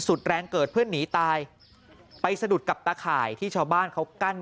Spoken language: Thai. แรงเกิดเพื่อนหนีตายไปสะดุดกับตาข่ายที่ชาวบ้านเขากั้น